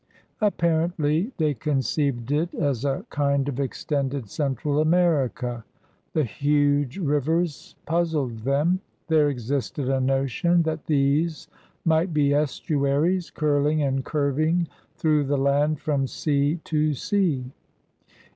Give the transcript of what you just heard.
Apparently they conceived it as a kind of extended Central AmericJa. The huge rivers puzzled them. There existed a notion that these might be estuaries, curling and curving through the land from sea to sea.